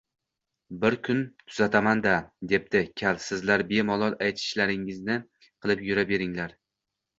Bir kun tuzataman-da, debdi kal, sizlar bemalol ayshingizni qilib yura beringlar